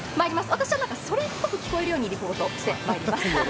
私はそれっぽく聞こえるようにリポートしていきます。